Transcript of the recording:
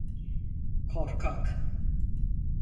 Korkak.